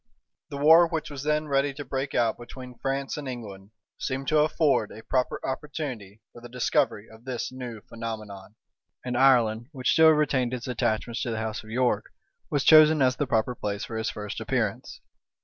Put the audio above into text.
The war, which was then ready to break out between France and England, seemed to afford a proper opportunity for the discovery of this new phenomenon; and Ireland, which still retained its attachments to the house of York, was chosen as the proper place for his first appearance.